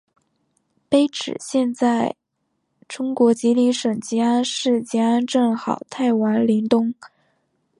碑址现在中国吉林省集安市集安镇好太王陵东。